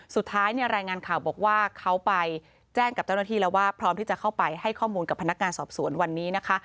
สุดท้ายเนี่ยรายงานข่าวบอกว่าเขาไปแจ้งกับเจ้าหน้าที่แล้วว่าพร้อมที่จะเข้าไปให้ข้อมูลกับพนักงานสอบสวนวันนี้นะคะ